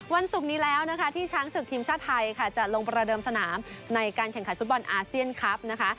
ศุกร์นี้แล้วนะคะที่ช้างศึกทีมชาติไทยค่ะจะลงประเดิมสนามในการแข่งขันฟุตบอลอาเซียนคลับนะคะ